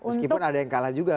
meskipun ada yang kalah juga